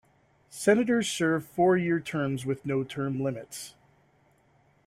Senators serve four-year terms with no term limits.